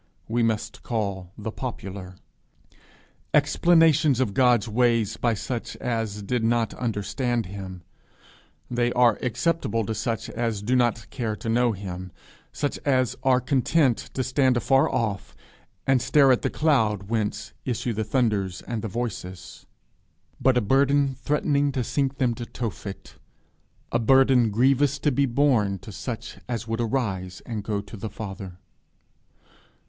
we must call the popular: explanations of God's ways by such as did not understand Him, they are acceptable to such as do not care to know him, such as are content to stand afar off and stare at the cloud whence issue the thunders and the voices; but a burden threatening to sink them to Tophet, a burden grievous to be borne, to such as would arise and go to the Father.